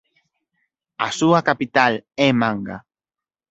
A súa capital é Manga.